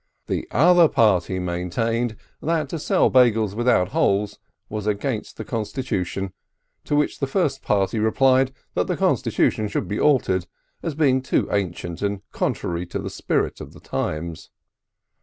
The other party maintained, that to sell Beigels without holes was against the constitution, to which the first party replied that the constitution should be altered, as being too ancient, and contrary to the spirit of the times.